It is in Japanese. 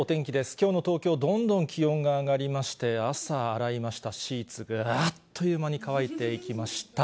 きょうの東京、どんどん気温が上がりまして、朝洗いましたシーツが、あっという間に乾いていきました。